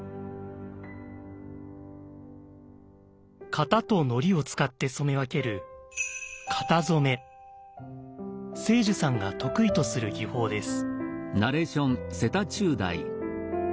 型とのりを使って染め分ける青樹さんが得意とする技法です。